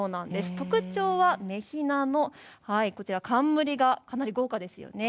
特徴は女ひなの冠が豪華ですよね。